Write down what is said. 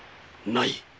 ない。